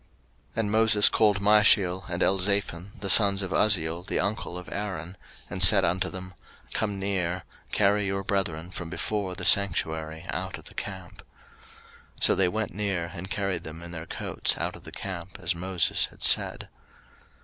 03:010:004 And Moses called Mishael and Elzaphan, the sons of Uzziel the uncle of Aaron, and said unto them, Come near, carry your brethren from before the sanctuary out of the camp. 03:010:005 So they went near, and carried them in their coats out of the camp; as Moses had said.